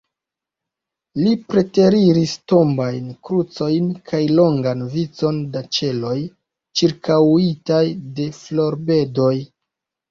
Ili preteriris tombajn krucojn kaj longan vicon da ĉeloj, ĉirkaŭitaj de florbedoj.